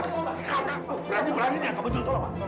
berani beraninya kamu jodoh pak